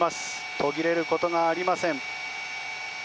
途切れることがありません。